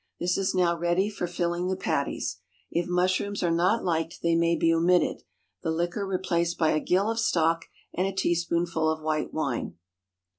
This is now ready for filling the patties. If mushrooms are not liked they may be omitted, the liquor replaced by a gill of stock and a teaspoonful of white wine.